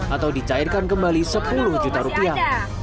atau dicairkan kembali sepuluh juta rupiah